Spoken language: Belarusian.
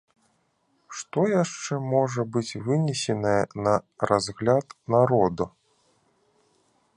Што яшчэ можа быць вынесенае на разгляд народа?